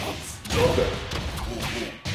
Yüz on dört.